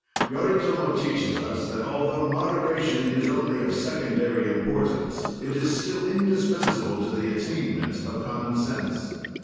Yoritomo teaches us that, altho moderation is only of secondary importance, it is still indispensable to the attainment of common sense.